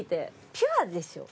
ピュアでしょ？